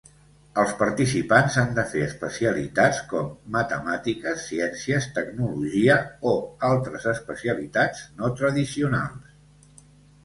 Els participants han de fer especialitats com matemàtiques, ciències, tecnologia o altres especialitats no tradicionals.